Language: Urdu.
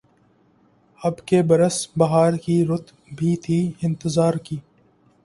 اب کے برس بہار کی‘ رُت بھی تھی اِنتظار کی